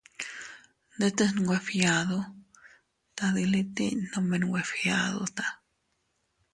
Ndetes nwe fgiadu, tadilitin nome nwe fgiaduta.